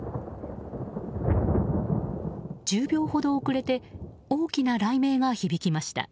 １０秒ほど遅れて大きな雷鳴が響きました。